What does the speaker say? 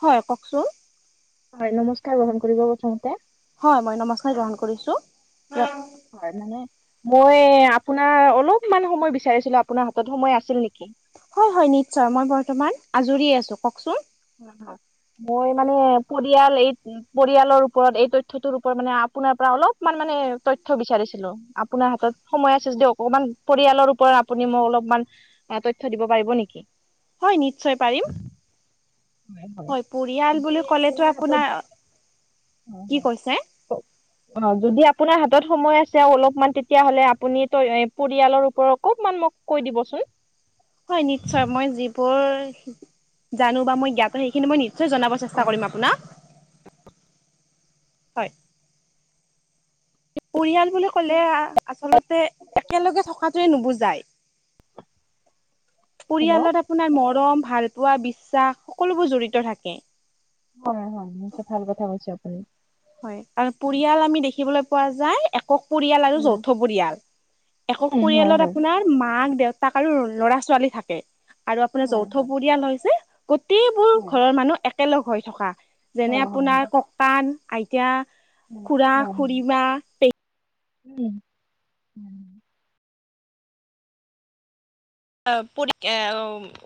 হয় কওকচোন। হয় নমস্কাৰ গ্ৰহণ কৰিব প্ৰথমতে। হয় মই নমস্কাৰ গ্ৰহণ কৰিছো। হয় মানে মই আপোনাৰ অলপমান সময় বিচাৰিছিলো আপোনাৰ হাতত সময় আছিল নেকি। হয় হয় নিশ্চয় মই বৰ্তমান আজৰিয়ে আছোঁ কওকচোন। হয় হয় মই মানে পৰিয়াল এই, পৰিয়ালৰ ওপৰত এই তথ্যটোৰ ওপৰত মানে আপোনাৰ পৰা অলপমান মানে তথ্য বিচাৰিছিলো। আপোনাৰ হাতত সময় আছে যদি অকমান। পৰিয়ালৰ ওপৰত আপুনি মোক অলপমান তথ্য দিব পাৰিব নেকি। হয় নিশ্চয় পাৰিম। হয় পৰিয়াল যদি বুলি ক'লেতো হাতত আপোনাৰ কি কৈছে। [unintelligible] অ যদি আপোনাৰ হাতত সময় আছে অলপমান তেতিয়াহলে আপুনি পৰিয়ালৰ ওপৰত অকমান মোক, কৈ দিবচোন। হয় নিশ্চয় মই যিবোৰ জানো বা মই জ্ঞাতো সেইখিনি মই নিশ্চয় জনাব চেষ্টা কৰিম আপোনাক। হয়। পৰিয়াল বুলি ক'লে আচলতে একেলগে থকাটোৱে নুবুজাই। [inaudible] পৰিয়ালত আপোনাৰ মৰম ভাল পোৱা বিশ্বাস সকলোবোৰ জড়িত থাকে। হয় হয় বহুত ভাল কথা কৈছা আপুনি। হয় কাৰ পৰিয়াল আমি দেখিবলৈ পোৱা যায় এক একক পৰিয়াল আৰু উম যৌথ পৰিয়াল একক উম, হয় পৰিয়ালত হয় আপোনাৰ মাক দেউতাক আৰু ল'ৰা ছোৱালী থাকে আৰু আপোনাৰ হয় যৌথ হয় পৰিয়াল হৈছে গোটেইবোৰ হয় ঘৰৰ মানুহ একেলগ হৈ থকা যেনে হয় হয় হয় আপোনাৰ ককান আইতা উম খুৰা হয় খুৰীমা উম উম [unintelligible]